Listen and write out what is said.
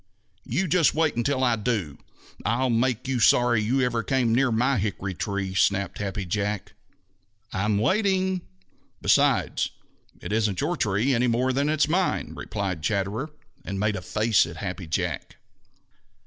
"You just wait until I do! I'll make you sorry you ever came near my hickory tree," snapped Happy Jack. "I'm waiting. Besides, it isn't your tree any more than it's mine," replied Chatterer, and made a face at Happy Jack.